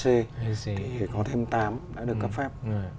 thì có thêm tám đã được cấp phép